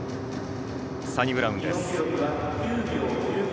サニブラウンです。